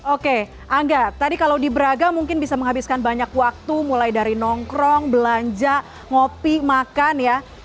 oke angga tadi kalau di braga mungkin bisa menghabiskan banyak waktu mulai dari nongkrong belanja ngopi makan ya